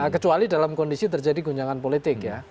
kecuali dalam kondisi terjadi guncangan politik ya